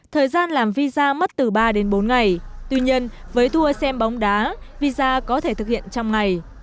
thời gian làm visa mất từ ba đến bốn ngày tuy nhiên với tour xem bóng đá visa có thể thực hiện trong ngày